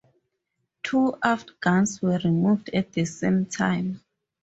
Two aft guns were removed at the same time.